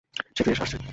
সে ফিরে আসছে।